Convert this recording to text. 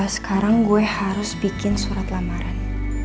sekarang gue harus bikin surat lamaran